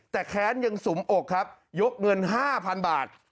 แต่แค้นยังสุมอกครับยกเงิน๕๐๐๐บาท